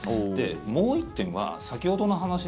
もう１点は、先ほどの話。